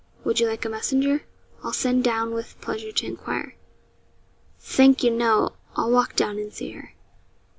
'Would you like a messenger? I'll send down with pleasure to enquire.' 'Thank you, no; I'll walk down and see her.'